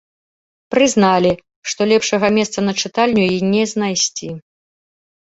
Прызналі, што лепшага месца на чытальню й не знайсці.